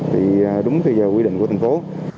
thì đúng thời gian quy định của thành phố